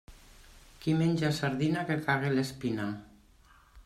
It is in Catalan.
Qui menja sardina, que cague l'espina.